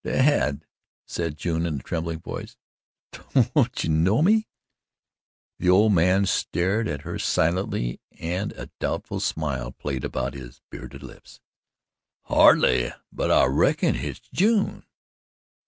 "Dad," said June in a trembling voice, "don't you know me?" The old man stared at her silently and a doubtful smile played about his bearded lips. "Hardly, but I reckon hit's June."